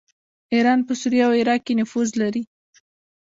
ایران په سوریه او عراق کې نفوذ لري.